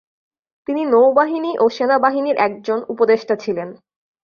তিনি নৌবাহিনী ও সেনাবাহিনীর একজন উপদেষ্টা ছিলেন।